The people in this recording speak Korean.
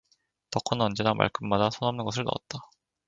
덕호는 언제나 말끝마다 손 없는 것을 넣었다.